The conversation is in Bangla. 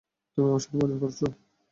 তুমি আমার সাথে মজা করছো?